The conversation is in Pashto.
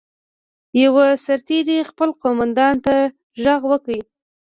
یوه سرتېري خپل قوماندان ته غږ وکړ.